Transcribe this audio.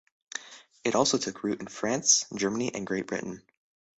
It also took root in France, Germany, and Great Britain.